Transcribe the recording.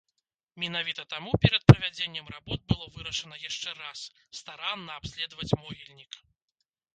Менавіта таму перад правядзеннем работ было вырашана яшчэ раз старанна абследаваць могільнік.